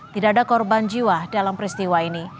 tidak ada korban jiwa dalam peristiwa ini